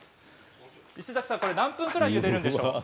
石崎さん、何分ぐらいゆでるんでしょうか。